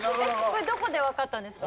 これどこでわかったんですか？